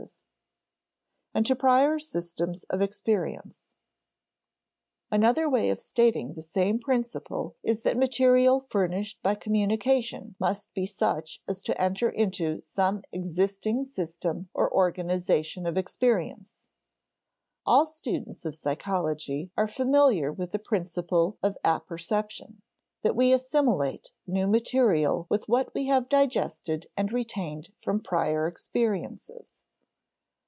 [Sidenote: and to prior systems of experience] Another way of stating the same principle is that material furnished by communication must be such as to enter into some existing system or organization of experience. All students of psychology are familiar with the principle of apperception that we assimilate new material with what we have digested and retained from prior experiences.